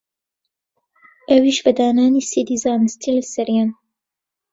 ئەویش بە دانانی سیدی زانستی لەسەریان